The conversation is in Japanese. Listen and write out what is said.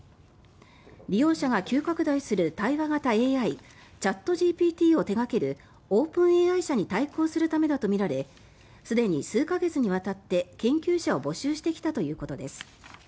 利用者が急拡大する対話型ＡＩチャットＧＰＴを手掛けるオープンＡＩ社に対抗するためだとみられすでに数か月にわたって研究者を募集してきたということです。